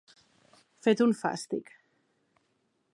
Fet un fàstic.